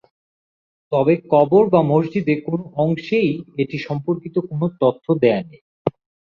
তবে কবর বা মসজিদে কোন অংশেই এটি সম্পর্কিত কোন তথ্য দেয়া নেই।